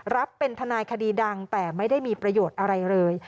รับเป็นทนายคดีดังแต่ไม่ได้มีประโยชน์อะไรเลย